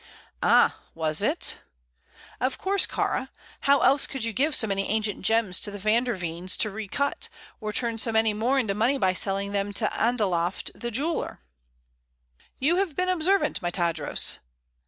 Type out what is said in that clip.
"Ah! was it?" "Of course, Kāra. How else could you give so many ancient gems to the Van der Veens to recut, or turn so many more into money by selling them to Andalaft, the jeweler?" "You have been observant, my Tadros."